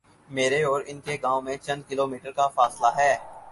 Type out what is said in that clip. میرے اور ان کے گاؤں میں چند کلو میٹرکا فاصلہ ہے۔